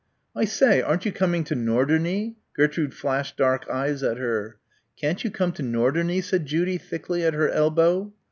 "I say! Aren't you coming to Norderney?" Gertrude flashed dark eyes at her. "Can't you come to Norderney?" said Judy thickly, at her elbow.